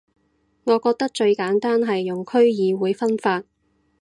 我覺得最簡單係用區議會分法